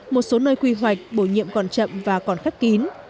một số nơi quy hoạch bổ nhiệm còn chậm và còn khép kín